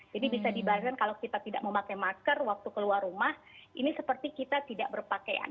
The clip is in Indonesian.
jadi bisa dibahas kalau kita tidak memakai masker waktu keluar rumah ini seperti kita tidak berpakaian